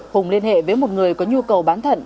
hùng liên hệ với một người có nhu cầu bán thận